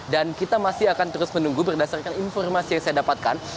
dan kita masih akan terus menunggu berdasarkan informasi yang saya dapatkan